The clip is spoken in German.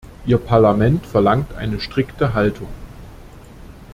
Ihr Parlament verlangt eine strikte Haltung.